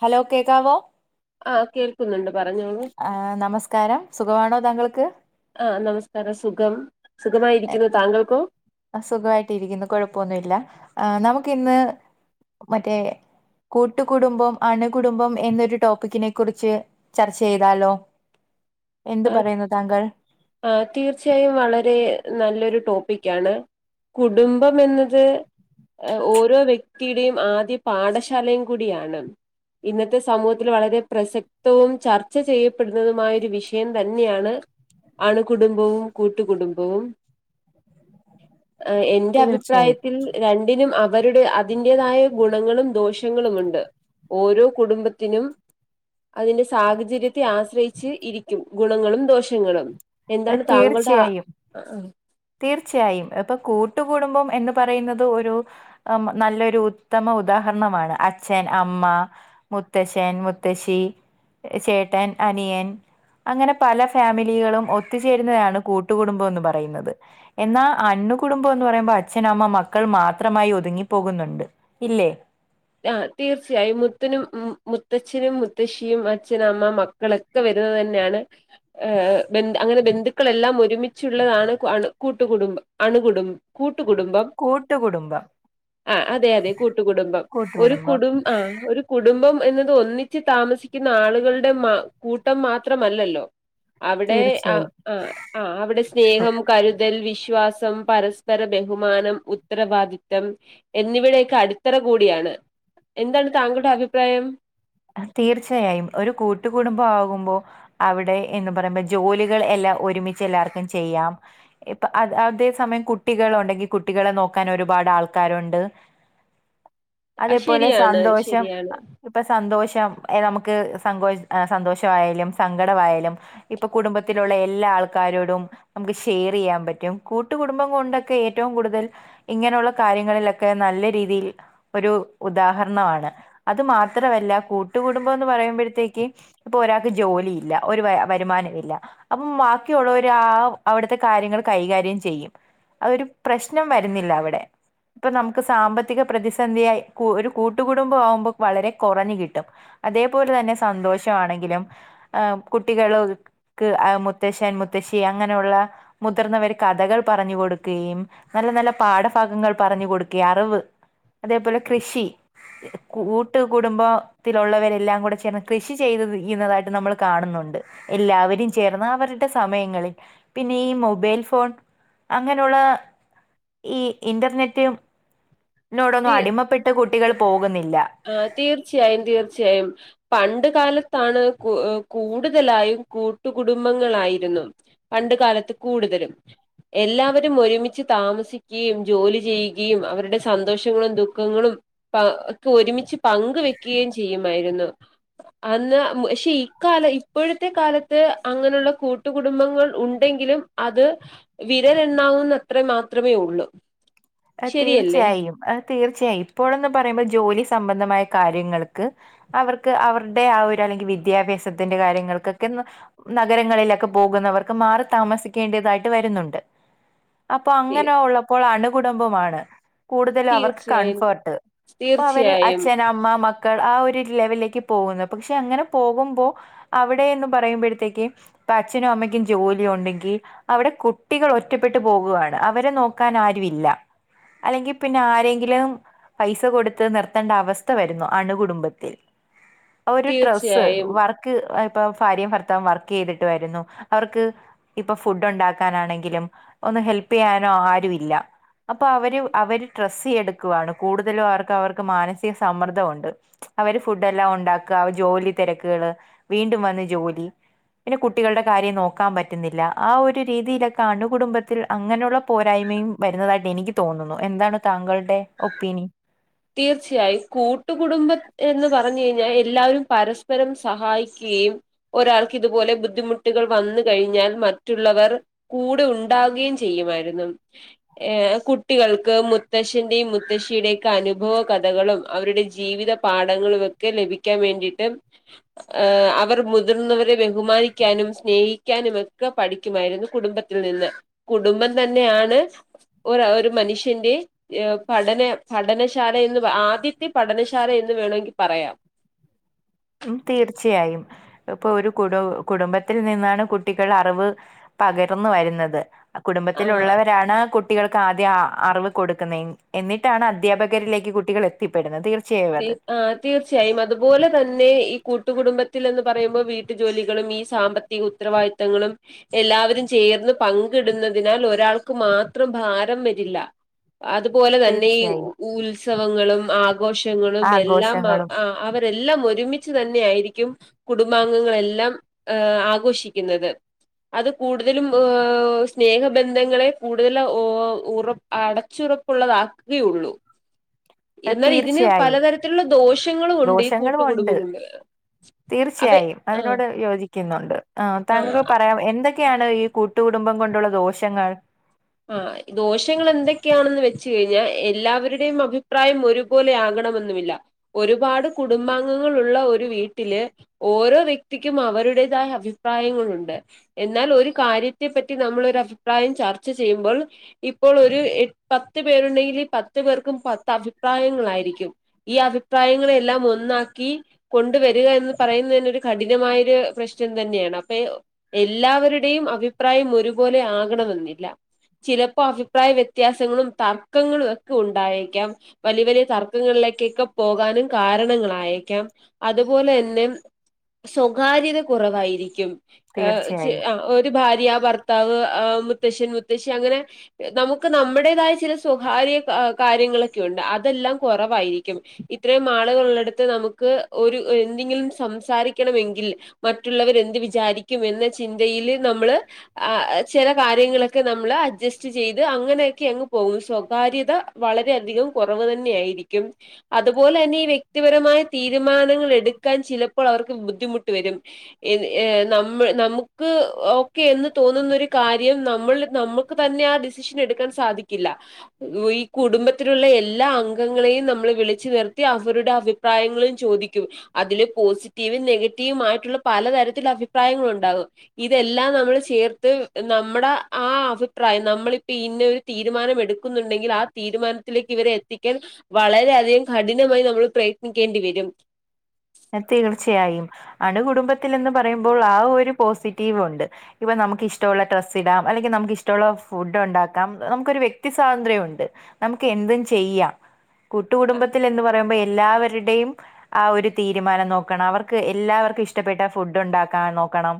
Hello കേക്കാവോ ആ കേൾക്കുന്നുണ്ട് പറഞ്ഞോളൂ ആ നമസ്കാരം സുഖമാണോ താങ്കൾക്ക് ആ നമസ്കാരം സുഖം സുഖമായിരിക്കുന്നു താങ്കൾക്കോ സുഖമായിട്ട് ഇരിക്കുന്നു കുഴപ്പൊന്നുമല്ല ആ നമുക്ക്ഇന്ന് മറ്റേ കൂട്ടുകുടുംബം അണുകുടുംബം എന്നൊരു ടോപ്പിക്കിനെ കുറിച്ച് ചർച്ച ചെയ്താലോ എന്ത് ആ പറയുന്നു താങ്കൾ ആ തീർച്ചയായും വളരെ നല്ലൊരു ടോപ്പിക് യാണ് കുടുംബം എന്നത് ഹ് ഓരോ വ്യക്തിയുടെയും ആദ്യ പാഠശാലയും കൂടിയാണ് ഇന്നത്തെ സമൂഹത്തിൽ വളരെ പ്രസക്തവും ചർച്ച ചെയ്യപ്പെടുന്നതുമായ ഒരു വിഷയം വിഷയം തന്നെയാണ് അണുകുടുംബവും കൂട്ടുകുടുംബവും [inaudible] അ എന്റെ തീർച്ചയായും അഭിപ്രായത്തിൽ രണ്ടിനും അ അവരുടെ അതിന്റതായ ഗുണങ്ങളും ദോഷങ്ങളുമുണ്ട് ഓരോ കുടുംബത്തിനും അതിന്റെ സാഹചര്യത്തെ ആശ്രയിച്ച് ഇരിക്കും ഗുണങ്ങളും ദോഷങ്ങളും ഏ, എന്താണ് താങ്കളുടെ ആ തീർച്ചയായും തീർച്ചയായും ഇപ്പൊ കൂട്ടുകൂടുംബം എന്ന് പറയുന്നത് ഒരു നല്ലൊരു ഉത്തമ ഉദാഹരണമാണ് അച്ഛൻ അമ്മ മുത്തശ്ശൻ മുത്തശ്ശി ചേട്ടൻ അനിയൻ അങ്ങനെ പല ഫാമിലികളും ഒത്തുചേരുന്നതാണ് കൂട്ടുകുടുംബന്ന് പറയുന്നത് എന്നാ അണു കുടുംബം എന്ന് പറയുമ്പോ അച്ഛനമ്മ മക്കൾ മാത്രമായി ഒതുങ്ങി പോകുന്നുണ്ട് ഇ ല്ലേ ആഹ് തീർച്ചയായും മുത്തനും മുത്തച്ഛനും മുത്തശ്ശിയും അച്ഛന അമ്മ മക്കളൊക്കെ തന്നെയാണ് അങ്ങനെ ബന്ധുക്കളെല്ലാം ഒരുമിച്ചുള്ളതാണ് കൂട്ടുകടും അണുകുടും കൂട്ടുകുടുംബം കൂട്ടുകുടുംബം ആഹ് അതെ അതെ കൂട്ടുകുടുംബം ഒരു കൂട്ടുകുടുംബം കുടും ആ ഒരു കുടും കുടുംബം എന്നത് ഒന്നിച്ച് താമസിക്കുന്ന ആളുകളുടെ മാ കൂട്ടം മാത്രമല്ലല്ലോ അവിടെ ആ തീർച്ചയായും ആ ആ അവിടെ സ്നേഹം കരുതൽ വിശ വിശ്വാസം പരസ്പര ബഹുമാനം ഉത്തരവാദിത്തം എന്നിിവയുടെയൊക്കെ അടിത്തറ കൂടിയാണ് എന്താണ് താങ്കളുടെ അഭിപ്രായം തീർച്ചയായും ഒരു കൂട്ടുകുടുംബം ആകുമ്പോ അവിടെ എന്ന് പറയുമ്പോ ജോലികൾ എല്ലാം ഒരുമിച്ച് എല്ലാവർക്കും ചെയ്യാം ഇ അതേ സമയം കുട്ടികളണ്ടെങ്കിൽ കുട്ടികളെ നോക്കാൻ ഒരുപാട് ആൾക്കാരുണ്ട് ആ അതേപോലെ ശരിയാണ് സന്തോഷം ശരിയാണ്. അ സന്തോഷം നമക്ക് സ സന്തോഷ ആാലും സങ്കട ആാലും ഇപ്പൊ കുടുംബത്തിലുള്ള എല്ലക്കാരോട ന ചെയ്യാൻ പറ്റും കൂട്ടടുംബം കൊണ്ടൊക്കെ ഏറ്റ കൂടു ഇങ്ങനെയുള്ള കാര്യങ്ങളിലൊക്കെ നല്ല രീതിയിൽ ഒരു ഉദാഹരണമാണ് അത് മാത്ര മാത്രമല്ല കൂട്ടുക കുടുംബം എന്ന് പറയുമ്പോഴത്തേക്ക് ഇപ്പൊ ഒരാൾക്ക് ജോലി ഇല്ല ഒരു വ വരുമാന ഇല്ല അപ്പം ബാക്കിയുള്ളവര് ആ അവിടുത്തെ കാര്യങ്ങൾ കൈകാര്യം ചെയ്യും അതൊരു പ്രശ്നം വരുന്നില്ലവിടെ ഇപ്പൊ നമുക്ക് സാമ്പത്തിക പ്രതിസന്ധിയായി ഒരു കൂട്ടുക കുടുംബം ആവുമ്പോ വളരെ കുറഞ്ഞു കിട്ടും അതേപോലെ തന്നെ സന്തോഷമാണെങ്കിലും കുട്ടികൾക്ക് മുത്തശ്ശൻ മുത്തശ്ശി അങ്ങനെയുള്ള മുതിർന്നവർ കഥകൾ പറഞ്ഞു കൊടുക്കുകയും നല്ല നല്ല പാഠഭാഗങ്ങൾ പറഞ്ഞു കൊടുക്കുക അറിവ് അതേപോലെ കൃഷി കൂട്ട് കുടുംബത്തിലുള്ളവരെല്ലാം കൂടെ ചേർ കൃഷി ചെയ്ത് ചെയ്യുന്നതായിട്ട് നമ്മൾ കാണുന്നുണ്ട് എല്ലാവരും ചേർന്ന അവരുടെ സമയങ്ങളിൽ പിന്നെ ഈ മൊബൈൽ ഫോൺ അങ്ങനെയുള്ള ഈ ഇന്റർനെറ്റിനോടൊന്നും അടിമപ്പെട്ട് കുട്ടികൾ പോകുന്നില്ല ആ തീർച്ചയായും തീർച്ചയായും പണ്ട് കാലത്താണ് കൂടുതലായും കൂട്ടുകുടുംബങ്ങളായിരുന്നു പണ്ട കാലത്ത് കൂടുതലും എല്ലാവരും ഒരുമിച്ച് താമസിക്കുകയും ജോലി ചെയ്യുകയും അവരുടെ സന്തോഷങ്ങളും ദുഃഖങ്ങളും പ്പ ഒരുമിച്ച് പങ്കവെക്കുകയും ചെയ്യുമായിരുന്നു അന്ന് പക്ഷെ ഇക്കാലം ഇപ്പോഴത്തെ ഇത്തെ കാലത്ത് അങ്ങനെയുള്ള കൂട്ടുകുടുംബങ്ങൾ ഉണ്ടെങ്കിലും അത് വിരലെണ്ണാവുന്ന അത്ര മാത്രമേ ഉള്ളൂ ശരിയല്ലേ തീർച്ചയായും അ തീർച്ചയായും ഇപ്പോഴന്ന് പറയുമ്പോ ജോലി സംബന്ധമായ കാര്യങ്ങൾക്ക് അവർക്ക് സംബന്ധമായ കാര്യങ്ങൾക്ക് അവരുടെ ആ ഒരു അല്ലെങ്കിൽ വിദ്യാഭ്യാസത്തിന്റെ കാര്യങ്ങൾക്കൊക്കെ നഗരങ്ങളിലൊക്കെ പോകുന്നവർക്ക് മാറി താമസിക്കേണ്ടതായിട്ട് വരുന്നുണ്ട്. അപ്പൊ തീ അങ്ങനെ ഉള്ളപ്പോൾ അണുകുടബമാണ് കൂടുതല അവർക്ക് തീർച്ചയായും കംഫേർട്ട് ഇപ്പൊ അവര് തീർച്ചയായും അച്ഛന അമ്മ മ മക്കൾ ആ ഒരു ലെവലിലേക്ക് പോകുന്നത് പക്ഷെ അങ്ങനെ പോകുമ്പോ അവിടെ എന്ന് പറയുമ്പയത്തേക്ക് ഇപ്പൊ അച്ഛനും അമ്മയ്ക്കും ജോലി ഉണ്ടെങ്കിൽ അവിടെ കുട്ടികൾ ഒറ്റപ്പെട്ട് പോകുകയാണ് അവരെ നോക്കാൻ ആരും ഇല്ല അല്ലെങ്കിൽ പിന്നെ ആരെങ്കിലും പൈസ കൊടുത്ത് നിർത്തേണ്ട അവസ്ഥ വരുന്നു അണുകുടുംബത്തിൽ ഒരു ട്രസ്സ് തീർച്ചയായും വർക്ക് അ ഭാര്യം ഭർത്താവം വർക്ക് ചെയ്തിട്ടു വരുന്നു അവർക്ക് ഇപ്പ ഫുഡ് ഉണ്ടാക്കാനാണെങ്കിലും ഹെൽപ്പ് ചെയ്യാനോ ആരു ഇില്ല. അപ്പൊ അവര് അവര് ഡസ്സ് എടുക്കുവാണ്. കൂടുതലും അവർക്ക്, അവർക്ക് മാനസിക സമ്മർദ്ദൊണ്ട്. അവര് ഫുടെല്ലാം ഉണ്ടാക്ക അവര് ജോലി തെരക്കേള് വീണ്ടും വന്ന് ജോലി പിനെ കുട്ടികൾടെ കാര്യം ന്നോക്കാൻ പറ്റുന്നില്ല ആ ഒരു രീതിയിലൊക്കാ അണുകുടുംബത്തിൽ അങ്ങനൊള്ള പോരായ്മയും വരുന്നതായിട്ട്. എനിക്ക് തോന്നുന്നു. എന്താണ് താങ്കളുടെ ഒപ്പീനി. തീർച്ചയായും കൂട്ടുകുടുംബം എന്ന് പറഞ്ഞയ്ഞ്ഞാ എല്ലാവരും പരസ്പരം സഹായിക്ക് കയും ഒരാൾക്ക് ഇതുപോലെ ബുദ്ധിമുട്ടുകൾ വന്ന് കഴിഞ്ഞാൽ മറ്റുള്ളവർ കൂടെ ഉണ്ടാ ക്കുകയും ചെയ്യുമായിരുന്നു ഏ കുട്ടികൾക്ക് മുത്തശ്ശന്റെയും മുത്തശ്ശിയ്ടെകെ നുഭവ കഥകളും അവരുടെ ജീവിത പാഠങ്ങളും ഒക്കെ ലഭിക്കാൻ വേണ്ടിയിട്ട്. അവർ മുതിർന്നവരെ ബഹുമാനിക്കാനും. സ്നേഹിക്കാനുമൊക്കെ പഠിക്കുമായിരുന്നു. കുടുംബത്തിൽ നിന്ന്. കുടുംബം തന്നെയാണ്. ഒരോഒരു മനുഷ്യന്റെ പഠന പഠനശാല എന്ന് വ ആദ്യത്തെ പഠനശാല എന്ന് വേണമെങ്കി പറയാം ഉം. തീർച്ചയായും. ഇപ്പോ ഒരു കുടു കുടുംബത്തിൽ നിന്നാണ് കുട്ടികൾ അറിവ് പകരുന്ന് വരുന്നത്. ആഹ് കുടുംബത്തിലുള്ളവരാണ് കു ട്ടികൾക്കാദ്യാ അറിവ് കൊടുക്ക്‌ന്നെ എന്നിട്ടാണദ്ധ്യാപകരിലേക്ക് കുട്ടികളെത്തിപ്പെട്ന്നത്. [unintelligible] എ ആ തീർച്ചയായും അതു പോലെ തൻ ന്നെ ഈ കൂട്ടുകുടുംബത്തിൽ എന്ന് പറയുമ്പം വീട്ടു ജോലികളും ഈ സാമ്പത്തിക ഉത്തരവായിത്തങ്ങളും എൽ ല്ലാവരും ചേർന്ന് പങ്കിടുന്നതിനാൽ ഒരാൾക്ക് മാത്രം ഭാരം വരില്ല. അതു പോലെ തന്നെ ഈ തീർച്ചയായും ഉൽസവങ്ങളും ആഘോഷ ഞങ്ങളും എല്ലാം അ ആഘോഷങ്ങളും ആ അവരെല്ലാം ഒരുമിച്ച് തന്നെ ആയിരി ക്യും കുടുംബാംഗങ്ങളെല്ലാം ഏ ആഘോഷിക്കുന്നത്. അത് കൂടുതലും [unintelligible] സ്നേഹ ബന്ധങ്ങളെ കൂടുതല ഓ ഉറ അടച്ചു റപ്പുള്ളതാക്കേ ഉള്ളു. [inaudible] എന്നാൽ ഇതിന് പല തീർച്ചയായും തരത്തിലുള്ള ദോഷങ്ങളു ഉണ്ടീ ദോഷങ്ങളും കൂട്ടുകുടുംബം ഉണ്ട് കൊണ്ട്. അവ തീർച്ചയായും. ആ അതിനോട് യോജിക്കുന്നുണ്ട്. ആ താങ്കൾ പറയാം എന്ത ക്കെയാണ് ഈ കൂട്ടു കുടുംബം കൊണ്ടുള്ള ദോഷങ്ങൾ. ആ, ദോഷങ്ങളെന്തൊക്കെയാണെന്ന് വെച്ച് കഴിഞ്ഞാ, എല്ലാവരുടെയും അഭിപ്രായം ഒരു പോലെ ആക ണമൊന്നുമില്ല. ഒരുപാട് കുടുംബാംഗങ്ങളുള്ള ഒരു വീട്ടില് ഓരോ വ്യക്തിക്കും അവ അവരുടെതായ അഭിപ്രായങ്ങളുണ്ട്. എന്നാൽ ഒരു കാര്യത്തെ പറ്റി നമ്മളൊരഭിപ്രായം ചർ ച്ച്‌ ചെയ്യുമ്പൾ ഇപ്പോൾ ഒര് എ പത്ത് പേരുണ്ടെങ്കില് പത്ത് പേർക്കും പത്തഭിപ്രായങ്ങളായി രിക്കും. ഈ അഭിപ്രായങ്ങളെയെല്ലാം ഒന്നാക്കി കൊണ്ടു വരിക എന്ന് പറയുന്നെന്നെ ഒരു കഠിനമായി ഒര് പ്രശ്നം തന്നെയാണ്. അപ്പെ എല്ലാവരുടെയും അഭിപ്രായം ഒരുപോലെ ആകണമെന്നില്ല. ചിലപ്പോ അഭിപ്രായ വ്യത്യാസങ്ങളും തർക്കങ്ങളു ഒക്കെ ഉണ്ടായേക്കാം. വലിയ വലിയ തർക്ക ങ്ങളിലേക്കെക്ക പോകാനും കാരണങ്ങളായേക്കാം. അതു പോലെന്നെ സ്വകാര്യത കുറവായിരിക്കും. ആ ശ് തീർച്ചയായും അ ഒരു ഭാര്യ, ഭർത്താവ്, ആ മുത്തശ്ശൻ, മു [unintelligible] അങ്ങനെ നമുക്ക് നമ്മുടേതായ ചില സ്വകാര്യ ക കാര്യങ്ങളൊക്കെയുണ്ട്. അതെല്ലാം കൊറ വായിരിക്കും. ഇത്രയും ആളുകളുള്ളടത്ത് നമുക്ക് ഒരു എന്തിങ്കിലും സംസാരിക്കണമെങ്കിൽ മറ്റുള്ളവരെന്ത് വിചാരിക്കും എന്ന ചിന്തയില് നമ്മള് ആ ചെല കാര്യങ്ങള് ക്കെ നമ്മള് അഡ്ജസ്റ്റ് ചെയ്ത് അങ്ങനെ ഒക്കെ അങ്ങ് പോവും. സ്വകാര്യത വളരെ അധികം കൊറവ് തന്നെ ആയി [unintelligible] അത് പോലെന്നെ ഈ വ്യക്തിപരമായ തീരുമാനങ്ങളെ ട്‌ക്കാൻ ചിലപ്പോൾ അവർക്ക് ബുദ്ധിമുട്ട്. വരും. [unintelligible] നമുക്ക് ഓക്കേ എന്ന് തോന്നുന്നൊരു കാര്യം നമ്മള്‌ല് നമ്മക്ക് തന്നെ ആ ഡിസിഷൻ എടുക്കാൻ സാധിക്കില്ല. ഈ കുടുംബത്തിലുള്ള എല്ലാ അംഗങ്ങളെയ് ഇ നമ്മള് വിളിച്ച് വരുത്തി അവരുടെ അഭിപ്രായങ്ങള് ചോദിക്കും. അതില് പോസിറ്റീവും നെഗറ്റീവുമാ മറ്റുള്ള പല തരത്തില്ള്ള അഭിപ്രായങ്ങളുണ്ടാകും ഇതെല്ലാം നമ്മള് ചേർത്ത് നമ്മ്ട ആ അഭിപ്രായം നമ്മളിപ്പം ഇന്ന ഒരു തീരുമാനം എടുക്കുന്നുണ്ടെങ്കിൽ. ആ തീരുമാനത്തിലേക്ക് ഇവരെ എത്തിക്കാൻ. വളരെയധികം കഠിനമായി നമ്മൾ പ്രയത്നിക്കേണ്ടി വരും [inaudible] ന തീർച്ചയായും അണു കുടുംബത്തിലെന്ന് പറയുമ്പോൾ ആ ഒരു പോസിറ്റീവുണ്ട് ഇപന്ന നമുക്ക് ഇഷ്ടുള്ള ഡ്രാസ് ഇടാം അല്ലെങ്കി ഇഷ്ടള്ള ഫുഡ് ഉണ്ടാക്കാം നമുക്കെരു വ്യക്തിസ്വാന്ത്രയുണ്ട് നമുക്ക് എന്തും ചെയ്യാം കൂട്ടുകടുംബത്തിൽ എന്ന് പറയുമ്പോ എല്ലാവരുടെയും ആ ഒര് തീരുമാനം നോക്കണം അവർക്ക് എല്ലാവർക്കും ഇഷ്ടപ്പെട്ട ഫുഡ് ഉണ്ടാക്കാ നോക്കണം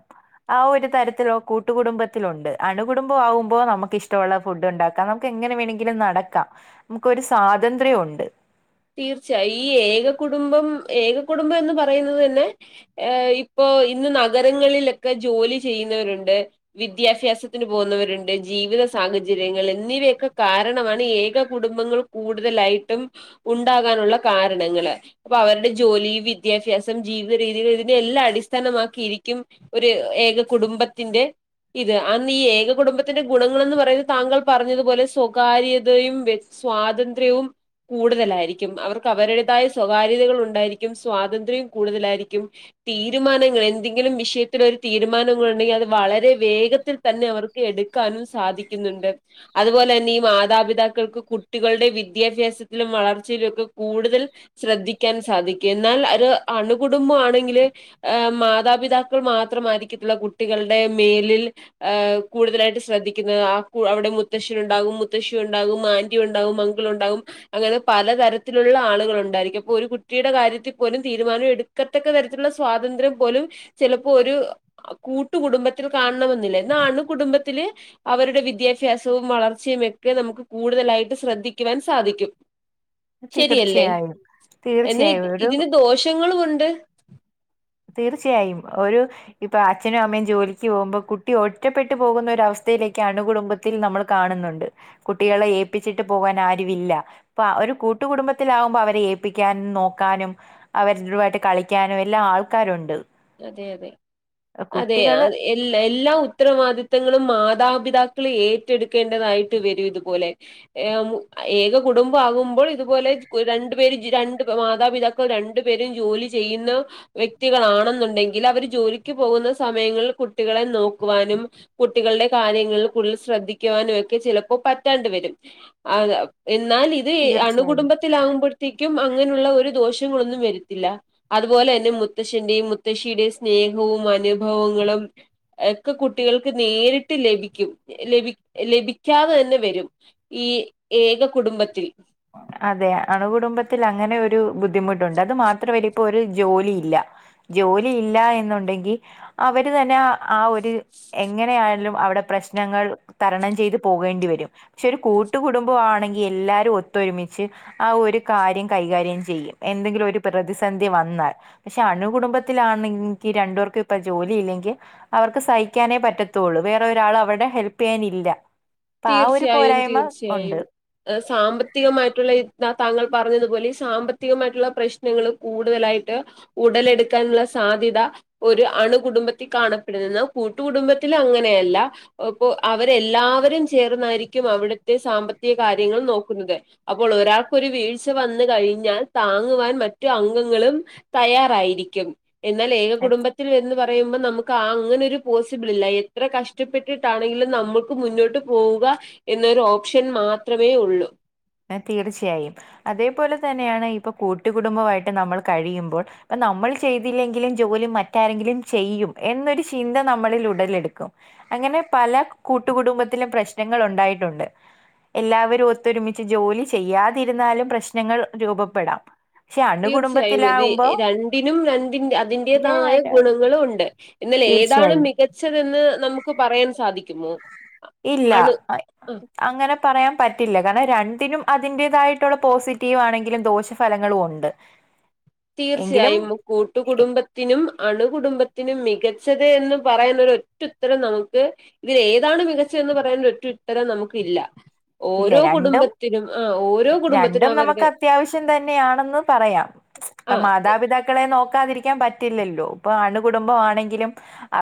ആ ഒരു തരത്തിലോ കൂട്ടുകടുംബത്തിലുണ്ട് അണു കുടുംബ ആകുമ്പോ നമുക്ക് ഇഷ്ടമുള്ള ഫുഡ് ഉണ്ടാക്കാം നമുക്ക് ഏ എങ്ങനെ വേണെങ്കിലും നടക്കാം നമുക്കരു സ്വാതന്ത്ര്യം ഉണ്ട് തീർച്ചയായും ഈ ഏക കുടുംബം ഏക കുടുംബം എന്ന് പറയുന്നത് തെന്നെ ഇപ്പോ ഓ ഇന്ന് നഗരങ്ങളിലൊക്കെ ജോലി ചെയ്യുന്നവരുണ്ട് വിദ്യാഭ്യാസത്തിന് പോകുന്നവരുണ്ട് ജീ ജീവിത സാഹചര്യങ്ങൾ എന്നിവയൊക്കെ കാരണമാണ് ഏക കുടുംബങ്ങൾ കൂടുതലായിട്ടും. ഉണ്ടാകാനുള്ള കാരണങ്ങള് അപ്പൊ അവരുടെ ജോലി വിദ്യാഭ്യാസം ജീവിത രീതികൾ ഇതിന്റെ എല്ലാടി അടിസ്ഥാനമാക്കിയിരിക്കും ഒരു ഏക കുടുംബത്തിന്റെ ഇത് അന്ന് ഈ ഏക കുടുംബത്തിന്റെ ഗുണങ്ങളെന്ന് പറയുന്നത് താങ്കൾ പറഞ്ഞതുപോലെ സ്വകാര്യതയും വെക്തി സ്വാതന്ത്ര്യവും കൂടെ തലായിരിക്കും അവർക്ക് അവരുടേതായ സ്വകാര്യതകൾ ഉണ്ടായിരിക്കും സ്വാതന്ത്ര്യം കൂടുതലായിരിക്കും തീരു തീരുമാനങ്ങൾ എന്തെങ്കിലും വിഷയത്തിലരു തീരുമാനങ്ങളൾ ഉണ്ടെങ്കിൽ അത് വളരെ വേഗത്തിൽ തന്നെ അവർക്ക് എടുക്കാനും സാധിക്കുന്നുണ്ട് അതുപോലെ തന്നെ ഈ മാതാപിതാക്കൾക്ക് കുട്ടികളുടെ വിദ്യാഭ്യാസ ലും വളർച്ചയിലും ഒക്കെ കൂടുതൽ ശ്രദ്ധിക്കാൻ സാധിക്കും എന്നാൽ ഒരു അണുകുടുംബാണെങ്കില് ഏ മാതാപിതാക്കൾ മാത്രമായിരിക്കത്തില്ല കുട്ടികളുടെ മേലിൽ കൂടുതലായിട്ട് ട്ട് ശ്രദ്ധിക്കുന്നത് ആ അവിടെ മുത്തശ്ശനുണ്ടാകും മുത്തശ്ശി ഉണ്ടാകും ആന്റി ഉണ്ടാവും അംഗിളു ണ്ടാകും അങ്ങനെ പലതരത്തിലുള്ള ആളുകളുണ്ടായിരിക്കും അപ്പോ ഒരു കുട്ടിയുടെ കാര്യത്തിൽ പോലും തീരുമാനം എടുക്കത്തക്ക തരത്തിലുള്ള സ്വാതന്ത്ര്യം പോലും ചിലപ്പോ ഒരു കൂട്ടു കുടുംബത്തിൽ കാണണമെന്നില്ല എന്നാ അണുകുടുംബത്തിൽ അവരുടെ വിദ്യാഭ്യാസവും വളർച്ചയയും എക്കെ നമുക്ക് കൂടുതലായിട്ട് ശ്രദ്ധിക്കുവാൻ സാധിക്കും ശരിയല്ലേ തീർച്ചയായും എന്നെ ഇ തീർച്ചയായും ഒരു ഇതിന് ദോഷങ്ങളുമുണ്ട് തീർച്ചയായും ഒരു ഇപ്പൊ അച്ഛനും അമ്മയും ജോലിക്ക് പോകുമ്പോ കുട്ടി ഒറ്റപ്പെട്ടു പോകുന്ന ഒരു അവസ്ഥ തിലേക്ക് അണുകുടുംബത്തിൽ നമ്മൾ കാണുന്നുണ്ട് കുട്ടികളെ ഏപ്പിച്ചിട്ട് പോകാൻ ആരുമില്ല പ്പ ഒരു കൂട്ടു കുടുംബത്തിലകുമ്പോ അവരെ ഏൽപ്പിക്കാനും നോക്കാനും അവരുവായിട്ട് കളിക്കാനും എല്ലാ ആൾ ക്കാരുണ്ട് അതെ അതെ അതെ അ എല്ല എല്ലാ ഉത്തരവാദിത്തങ്ങളും മാതാപിതാ ക്ള് ഏറ്റെടുക്കേണ്ടതായിട്ട് വരും ഇതുപോലെ എം ഏക കുടുംബം ആകുമ്പോൾ ഇതുപോലെ രണ്ടു പേരും രണ്ട് മാതാപിതാക്കൾ രണ്ടുപേരും ജോലി ചെയ്യുന്ന വ്യക്തികളാണെന്നുണ്ട് ഉണ്ടെങ്കിൽ അവര് ജോലിക്ക് പോകുന്ന സമയങ്ങളിൽ കുട്ടികളെ നോക്കുവാനും കുട്ടികളൾടെ കാര്യങ്ങളിൽ ഫുൾ ശ്രദ്ധിക്കുവാനും ഒക്കെ ചിലപ്പോ പറ്റാണ്ട വരും അത് അ എന്നാൽ ഇത് തീർച്ചയായും അണുകുടുംബത്തിലാകുമ്പോഴ്ത്തേക്കും അങ്ങനുള്ള ഒരു ദോഷം ങ്ങളൊന്നും വരത്തില്ല അതുപോലെന്നെ മുത്തശ്ശന്റെയും മുത്ത മുത്തശ്ശിയുടെ സ്നേഹവും അനുഭവങ്ങളും ഒക്കെ കുട്ടികൾക്ക് നേരിട്ട് ലഭിക്കും. ലഭി ലഭിക്കാതെന്നെ വരും ഈ ഏക കുടുംബത്തിൽ അതെ [inaudible] അതെ അണുകുടുംബത്തിൽ അങ്ങനെ ഒരു ബുദ്ധിമുട്ടുണ്ട് അത് മാത്രമല്ല ഇപ്പെരു ജോലി ഇല്ല ജോലിയില്ല എന്നുണ്ടെങ്കിൽ അവര് തന്നെ ആ ഒര് എങ്ങനെയായാലും അവിടെ പ്രശ് നങ്ങൾ തരണം ചെയ്ത് പോകേണ്ടി വരും പക്ഷെ ഒരു കൂട്ടുക കുടുബമാണെങ്കിൽ എല്ലാവാരും ഒ ഒത്തെരുമിച്ച് ആ ഒരു കാര്യം കൈകാര്യം ചെയ്യും എന്തെങ്കിലും ഒരു പ്രതിസന്ധി വന്നാൽ പക്ഷെ. അണു കുടുംബത്തിലാണെങ്കി രണ്ട്പേർക്കും ഇപ്പ ജോലി ഇല്ലെങ്കിൽ അവർക്ക് സഹിക്കാനെ പറ്റത്തെള്ളൂ വേറെ ഒരാൾ അവിടെ ഹെൽപ് ചെയ്യാനില്ല അപ്പൊ ആ ഒരു തീർച്യായും, പോരായ്മ തീർച്യായും, ഉണ്ട്. ഏ സാമ്പത്ത് ത്തീകമായിട്ടുള്ളയീ ആ താങ്കൾ പറഞ്ഞത് പോലെ, സാമ്പത്തികമായിട്ട്ള്ള പ്രശ്നങ്ങള് കൂട് തലായിട്ട് ഉണ് ഉടലെട്ക്കാന്ള്ള സാധിത, ഒര് അണ്കുടുംബത്തിക്കാണപ്പെടുന്നാ കൂട്ടുകുടുംബത്തിലങ്ങനെയല്ല് ടാ ഓപോ അവര് എല്ലാവരും ച് ചേർന്നായിരിക്കും അവിടുത്തെ സാമ്പത്തികാര്യങ്ങൾ നോക്കുന്നത്. അപ്പോൾ ഒരാൾക്കൊരു വീഴ്ച വന്ന് കഴി ഴിഞ്ഞാൽ താങ്ങുവാൻ മറ്റു അങ്ങങ്ങളും തയ്യാറായിരിയ്ക്കും. എന്നാൽ ഏക കുടുംബത്തിൽ എന്ന് പറയുമ്പം നം മക്ക്‌ ആ അങ്ങനൊരു പോസിബിൾ ഇല്ല. എത്ര കഷ്ടപ്പെട്ടിട്ടാണെങ്കിലും നമ്മുക്ക് മുന്നോട്ട് പോവുക, എന്നൊരു ഓപ്ഷൻ മാത്രമേ ഉള്ളൂ ഏ തീർച്യായും, അതേപോലെ തന്നെയാണ് ഇപ്പൊ കൂട്ടികുടുംബമായിട്ട് നമ്മൾ കഴിയുമ്പോൾ അ നമ്മൾ ചെയ്തില്ലെങ്കിലും ജോലി മറ്റാരെങ്കിലും ചെയ്യും എന്നൊരു ചിന്ത നമ്മളിൽ ഉടലെടുക്കും. അങ്ങനെ പല ക് കൂട്ടുകുടുംബത്തിലും പ്രശ്നങ്ങൾ ഒണ്ടായിട്ടുണ്ട്. എല്ലാവരും ഒത്തൊരുമി ച്ച് ജോലി ചെയ്യാതിരുന്നാലും പ്രശ്നങ്ങൾ രൂബപ്പെടാം. തീർച്യായും, ഇതി രണ്ടിനും രണ്ടിൻ്റെ ഇത് അതിന്റെതായ ആയിട്ട് ഗുണങ്ങളുംണ്ട്. ന്നലെ ഏതാണ് തീർച്ചയായും മികച്ചതെന്ന് നമുക്ക് പറയൻ സാധിക്കുമോ? ഇല്ലാ, അണു അ ആഹ് അങ്ങനെ പറയാൻ പറ്റില്ല കാരണം, രണ്ടിനും അതിൻ്റെതായിട്ടുള്ള പോസിറ്റീവാണെങ്കിലും ദോഷഫലങ്ങളു ഒണ്ട്. തീർച്ചയായും, മു കൂട്ടുകുടുംബത്തിനും അണ്കുടുംബത്തിനും മികച് മികച്ചത് എന്ന് പറയാൻ നൊരുറ്റുത്തരം നമുക്ക് ഇതിൽ ഏതാണ് മികച്ചന്ന് പറയാൻ ഒരുറ്റു ത്തരം നമുക്ക് ഇ ഇല്ല. ഇല്ല്യ, രണ്ടും ര കുടുംബത്തിനും രണ്ടും അവരുടെ നമുക്കത്യാവശ്യം തന്നെയാണെന്ന് പറയാം. ആ ഇപ്പം മാതാപിതാക്കളെ നോക്കാതിരിയ്ക്കാൻ പറ്റില്ലല്ലോ, ഇപ്പൊ അണ്കുടുംബമാണെങ്കിലും അ